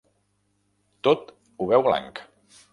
Tot ho veu blanc.